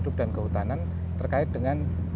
hidup dan kehutanan terkait dengan